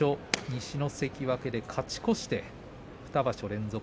西の関脇で勝ち越して２場所連続